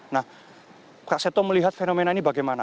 nah kak seto melihat fenomena ini bagaimana